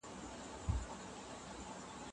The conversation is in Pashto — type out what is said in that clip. د لارښود دنده له عادي استاد سره بېله ده.